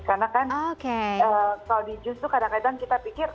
karena kan kalau di jus itu kadang kadang kita pikir